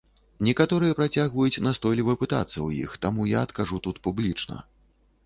Некаторыя працягваюць настойліва пытацца ў іх, таму я адкажу тут публічна.